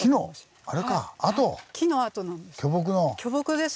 木の跡なんです。